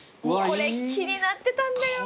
これ気になってたんだよ。